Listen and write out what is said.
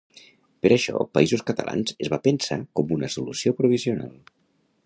Per això ‘Països Catalans’ es va pensar com una solució provisional.